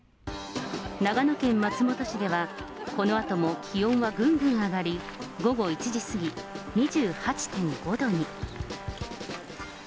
長野県松本市ではこのあとも気温はぐんぐん上がり、午後１時過ぎ、２８．５度に。